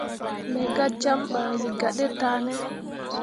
Me gah jam ɓah wǝ gah ɗe tah ne.